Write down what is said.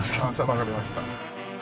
わかりました。